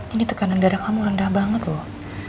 ini tekanan darah kamu rendah banget loh